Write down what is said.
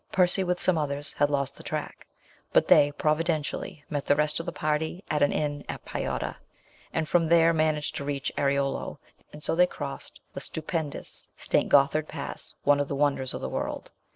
Percy, with some others, had lost the track ; but they, providentially, met the rest of the party at an inn at Piota, and from there managed to reach Airolo ; and so they crossed the stupendous St. Gothard Pass, one of the wonders of the world.